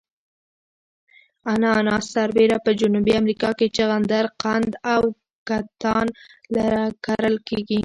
اناناس سربېره په جنوبي امریکا کې جغندر قند او کتان کرل کیږي.